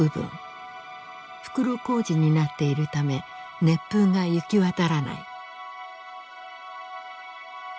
袋小路になっているため熱風が行き渡らない。